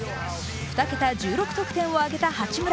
２桁１６得点を挙げた八村。